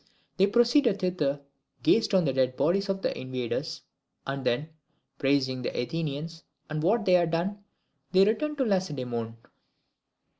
They proceeded thither, gazed on the dead bodies of the invaders, and then, praising the Athenians and what they had done, they returned to Lacedaemon.